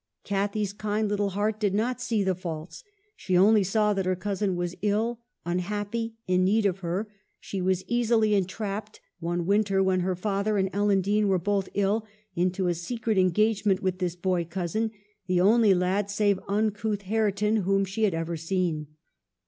Cathy's kind little heart did not see the faults, she only saw that her cousin was ill, unhappy, in need of her ; she was easily entrapped, one win ter, when her father and Ellen Dean were both ill, into a secret engagement with this boy cousin, the only lad, save uncouth Hareton, whom she had ever seen.